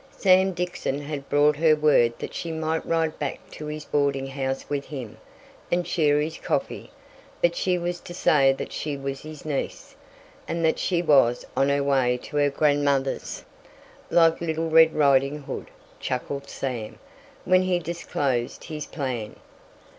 Sam Dixon had brought her word that she might ride back to his boarding house with him, and share his coffee, but she was to say that she was his niece, and that she was on her way to her grandmother's, "like little red riding hood," chuckled Sam, when he disclosed his plan.